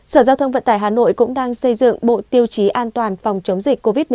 sở giao thông vận tải hà nội cũng đang xây dựng bộ tiêu chí an toàn phòng chống dịch covid một mươi chín